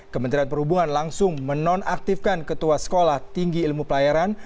kementerian perhubungan langsung menonaktifkan ketua sekolah tinggi ilmu pelayaran